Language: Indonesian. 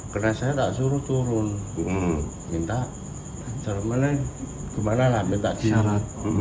karena saya nggak suruh turun minta cari mana gimana lah minta isyarat